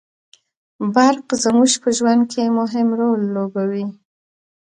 برق زموږ په ژوند کي مهم رول لوبوي